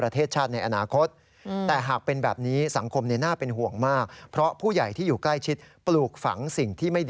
ทำลายอนาคตของชาติ